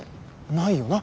ないよな。